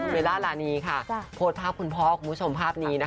เมล่าลานีพวดภาพคุณพ่ออกในภาพนี้